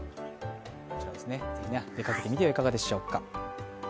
出かけてみてはいかがでしょうか。